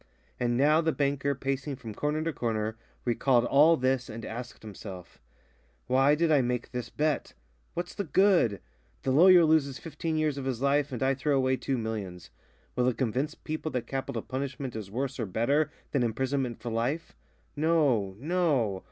And now the banker, pacing from corner to corner, recalled all this and asked himself: "Why did I make this bet? What's the good? The lawyer loses fifteen years of his life and I throw away two millions. Will it convince people that capital punishment is worse or better than imprisonment for life? No, no!